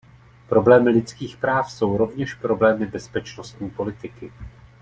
Problémy lidských práv jsou rovněž problémy bezpečnostní politiky.